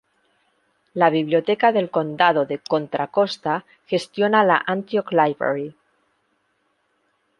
La Biblioteca del Condado de Contra Costa gestiona la Antioch Library.